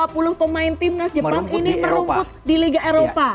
dua puluh pemain timnas jepang ini merumput di liga eropa